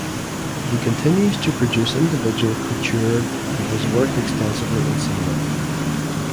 He continues to produce individual couture and has worked extensively in cinema.